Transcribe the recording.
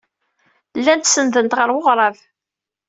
Llant senndent ɣer weɣrab.